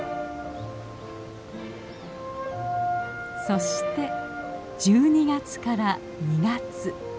そして１２月から２月。